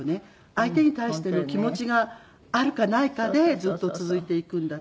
相手に対しての気持ちがあるかないかでずっと続いていくんだと。